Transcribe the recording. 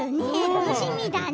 楽しみだね。